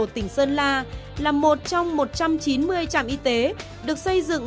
tỉnh sơn la là một trong một trăm chín mươi trạm y tế được xây dựng